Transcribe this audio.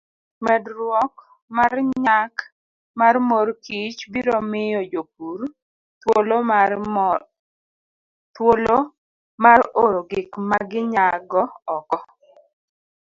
Medruokmarnyakmarmorkichbiromiyojopurthuolomarorogikmaginyagooko.